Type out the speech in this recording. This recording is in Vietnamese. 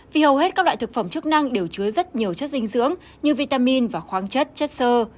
vì hầu hết các loại thực phẩm chức năng đều chứa rất nhiều chất dinh dưỡng như vitamin và khoáng chất chất sơ